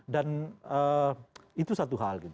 dan itu satu hal